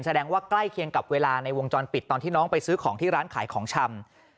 แสดงว่าใกล้เคียงกับเวลาในวงจรปิดตอนที่น้องไปซื้อของที่ร้านขายของชำ